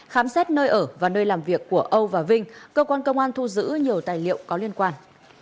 khám xét nơi ở và nơi làm việc của âu và vinh cơ quan công an thu giữ nhiều tài liệu có liên quan